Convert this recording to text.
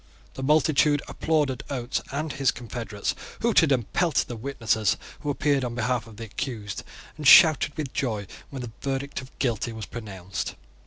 The multitude applauded Oates and his confederates, hooted and pelted the witnesses who appeared on behalf of the accused, and shouted with joy when the verdict of Guilty was pronounced.